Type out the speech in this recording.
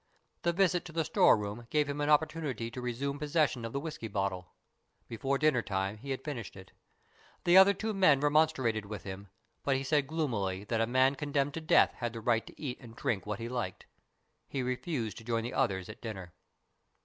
The visit to the store room gave him an opportunity to resume posses sion of the whisky bottle. Before dinner time he had finished it. The other two men remonstrated with him, but he said gloomily that a man con demned to death had the right to eat and drink what he liked. He refused to join the others at dinner.